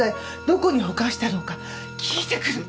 どこに保管してあるのか聞いてくる。